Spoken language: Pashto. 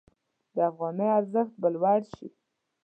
د افغانۍ ارزښت به لوړ شي.